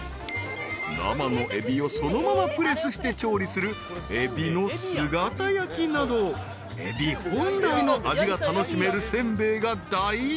［生のエビをそのままプレスして調理するエビの姿焼きなどエビ本来の味が楽しめる煎餅が大人気］